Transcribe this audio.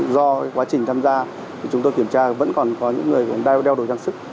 do quá trình tham gia thì chúng tôi kiểm tra vẫn còn có những người đang đeo đồ trang sức